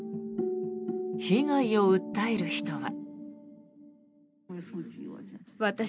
被害を訴える人は。